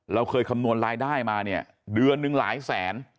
เราเคยคำนวณรายได้มาเนี่ยเดือนหนึ่งหลายแสน